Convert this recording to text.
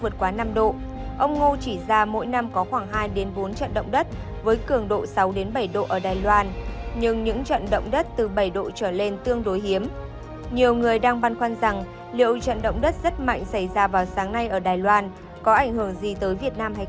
trận nông đất ở đài loan ngày ba tháng bốn là trận nông đất mạnh nhất kể từ năm một nghìn chín trăm chín mươi chín